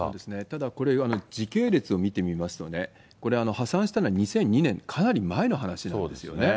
ただこれ、時系列を見てみますとね、これ、破産したのは２００２年、かなり前の話なんですよね。